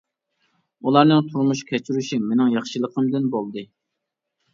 ئۇلارنىڭ تۇرمۇش كەچۈرۈشى مېنىڭ ياخشىلىقىمدىن بولدى.